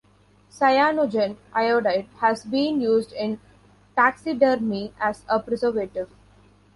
Cyanogen iodide has been used in taxidermy as a preservative.